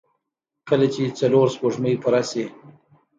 کله چې څلور سپوږمۍ پوره شي.